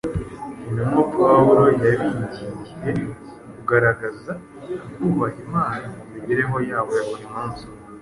intumwa Pawulo yabingingiye kugaragaza kubaha Imana mu mibereho yabo ya buri munsi.